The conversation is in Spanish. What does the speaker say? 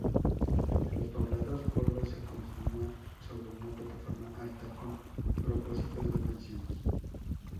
Los poblados pueblo se construían sobre una plataforma alta con propósitos defensivos.